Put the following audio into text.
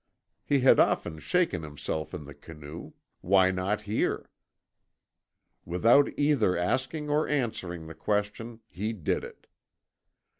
He had often shaken himself in the canoe; why not here? Without either asking or answering the question he did it.